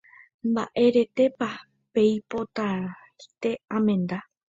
Mba'éretepa peipotaite amenda.